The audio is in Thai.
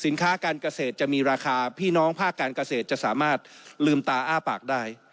การเกษตรจะมีราคาพี่น้องภาคการเกษตรจะสามารถลืมตาอ้าปากได้